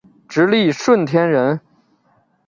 直隶顺天人。